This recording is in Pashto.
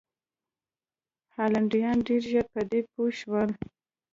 هالنډیان ډېر ژر پر دې پوه شول.